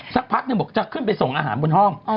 สักพักหนึ่งบอกจะขึ้นไปส่งอาหารบนห้อง